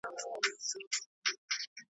هره ژبنۍ نښه